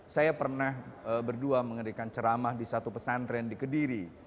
saya pernah berdua mengerikan ceramah di satu pesantren di kediri